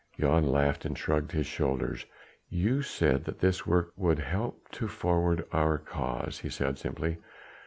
Jan laughed and shrugged his shoulders. "You said that this work would help to forward our cause," he said simply.